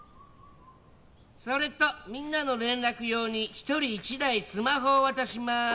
それとみんなの連絡用に一人一台スマホを渡します。